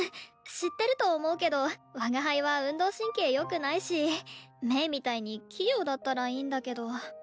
知ってると思うけど我が輩は運動神経よくないし鳴みたいに器用だったらいいんだけど。